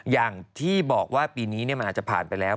อย่างที่บอกว่าปีนี้มันอาจจะผ่านไปแล้ว